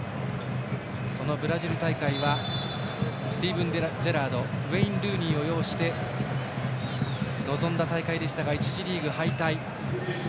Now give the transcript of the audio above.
そのブラジル大会はスティーブン・ジェラードウェイン・ルーニーを擁して臨んだ大会でしたが１次リーグ敗退。